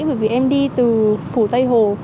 bởi vì em đi từ phủ tây hồ